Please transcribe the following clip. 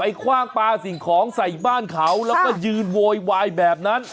คว่างปลาสิ่งของใส่บ้านเขาแล้วก็ยืนโวยวายแบบนั้น